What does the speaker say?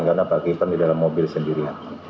karena pak kipran di dalam mobil sendiri